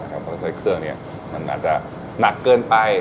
เพราะใช้เครื่องมันจะหนักเกินไป